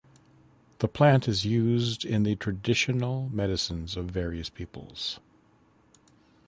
The plant is used in the traditional medicines of various peoples.